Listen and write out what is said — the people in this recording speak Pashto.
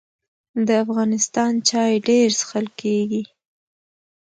د افغانستان چای ډیر څښل کیږي